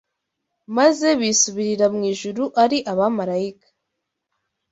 maze bisubirira mu ijuru ari abamarayika